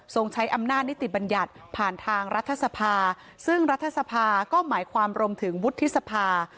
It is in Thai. ใช้อำนาจนิติบัญญัติผ่านทางรัฐสภาซึ่งรัฐสภาก็หมายความรวมถึงวุฒิสภา